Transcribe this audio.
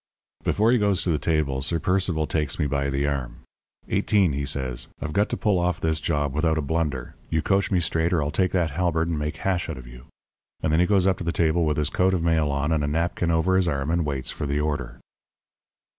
"Before he goes to the table, Sir Percival takes me by the arm. 'Eighteen,' he says, 'I've got to pull off this job without a blunder. You coach me straight or I'll take that halberd and make hash out of you.' And then he goes up to the table with his coat of mail on and a napkin over his arm and waits for the order.